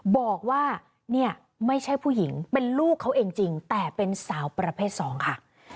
บอกว่าไม่ใช่ผู้หญิงเป็นลูกเขาจริงแต่เป็นสาวประเภท๒ค่ะ